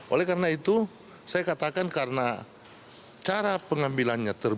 oleh karena itu saya katakan karena cara pengambilannya terbuka